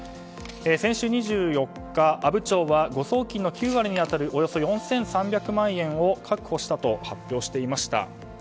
先週２４日阿武町は誤送金の９割に当たるおよそ４３００万円を確保したと発表していました。